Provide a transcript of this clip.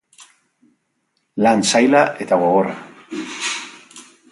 Lan zaila eta gogorra.